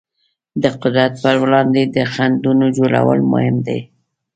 د قدرت پر وړاندې د خنډونو جوړول مهم دي.